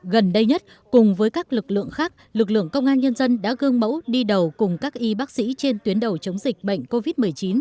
gần đây nhất cùng với các lực lượng khác lực lượng công an nhân dân đã gương mẫu đi đầu cùng các y bác sĩ trên tuyến đầu chống dịch bệnh covid một mươi chín